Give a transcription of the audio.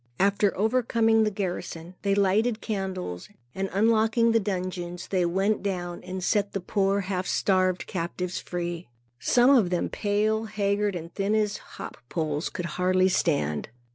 After overcoming the garrison, they lighted candles, and unlocking the dungeons, went down and set the poor half starved captives free. Some of them pale, haggard and thin as hop poles, could hardly stand.